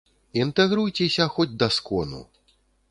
Інтэгруйцеся хоць да скону!